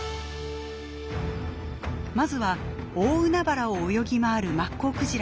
まずは大海原を泳ぎ回るマッコウクジラを探索。